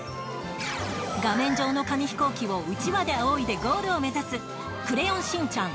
画面上の紙ヒコーキをうちわであおいでゴールを目指す「クレヨンしんちゃん」